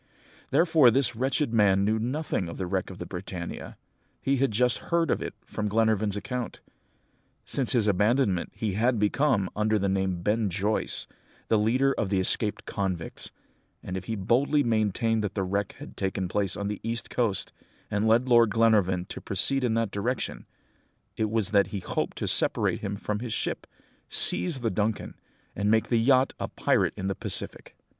"Therefore this wretched man knew nothing of the wreck of the Britannia; he had just heard of it from Glenarvan's account. Since his abandonment, he had become, under the name of Ben Joyce, the leader of the escaped convicts; and if he boldly maintained that the wreck had taken place on the east coast, and led Lord Glenarvan to proceed in that direction, it was that he hoped to separate him from his ship, seize the Duncan, and make the yacht a pirate in the Pacific."